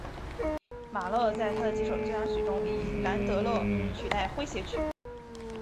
马勒在他的几首交响曲中以兰德勒取代诙谐曲。